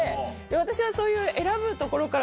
私はそういう。